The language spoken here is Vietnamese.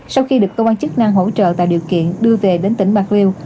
sau khi được cơ quan chức năng hỗ trợ tạo điều kiện đưa về đến tỉnh bạc liêu